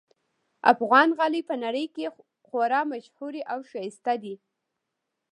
افغان غالۍ په نړۍ کې خورا ممشهوري اوښایسته دي